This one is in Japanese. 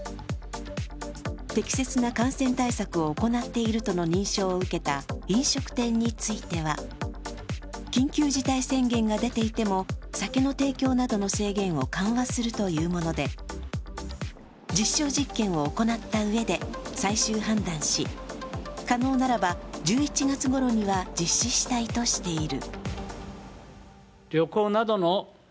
適切な感染対策を行っているとの認証を受けた飲食店については緊急事態宣言が出ていても酒の提供などの制限を緩和するというもので、実証実験を行ったうえで最終判断し可能ならば１１月ごろには実施したいとしている。